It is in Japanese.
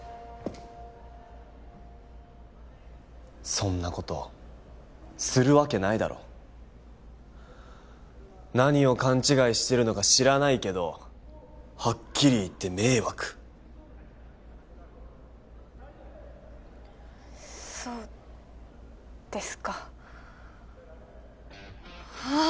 そんなことするわけないだろ何を勘違いしてるのか知らないけどはっきり言って迷惑そうですかああ